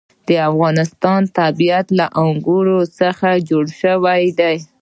د افغانستان طبیعت له انګور څخه جوړ شوی دی.